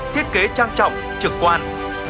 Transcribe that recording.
thiết kế trang trọng trực quan